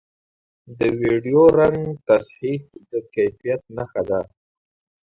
د ویډیو رنګ تصحیح د کیفیت نښه ده